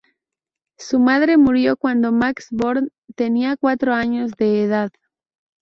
Su madre murió cuando Max Born tenía cuatro años de edad.